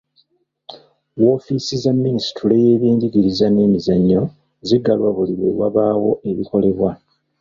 Woofiisi za Minisitule y'ebyenjigiriza n'emizannyo ziggalwa buli lwe wabaawo ebikolebwa.